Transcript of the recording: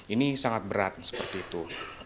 ini sangat berat seperti itu